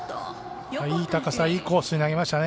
いい高さ、いいコースに投げましたね。